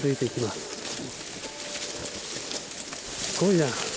すごいな。